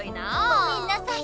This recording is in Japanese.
ごめんなさい。